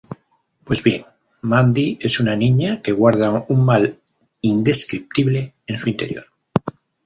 Pues bien, Mandy es una niña que guarda un mal indescriptible en su interior.